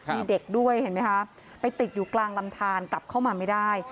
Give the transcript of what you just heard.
มีเด็กด้วยเห็นไหมคะไปติดอยู่กลางลำทานกลับเข้ามาไม่ได้